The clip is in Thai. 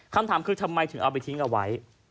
คำถามคือทำไมถึงเอาไปทิ้งเอาไว้